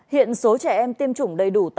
hiện số trẻ em tiêm chủng đầy đủ